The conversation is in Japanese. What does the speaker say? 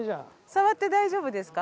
触って大丈夫ですか？